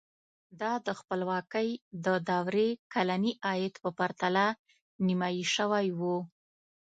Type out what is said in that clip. دا د خپلواکۍ د دورې کلني عاید په پرتله نیمايي شوی و.